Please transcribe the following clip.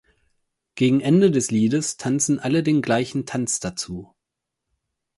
Gegen Ende des Liedes tanzen alle den gleichen Tanz dazu.